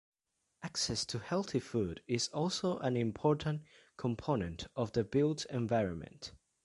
Access to healthy food is also an important component of the built environment.